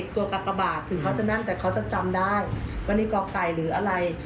ตัวกากบาทถึงเขาจะนั่นแต่เขาจะจำได้ว่านี่กอกไก่หรืออะไร